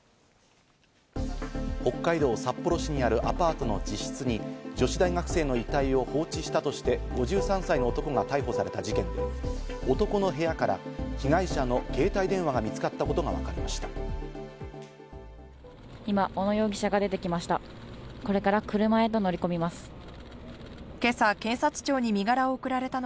北海道札幌市にあるアパートの自室に女子大学生の遺体を放置したとして５３歳の男が逮捕された事件で、男の部屋から被害者の携帯電話が見つかったことがわかりました。